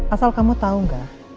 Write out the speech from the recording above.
asal kamu tau gak